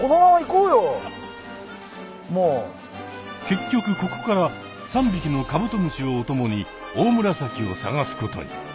結局ここから３匹のカブトムシをお供にオオムラサキを探すことに。